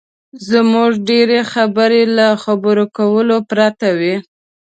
زموږ ډېرې خبرې له خبرو کولو پرته وي.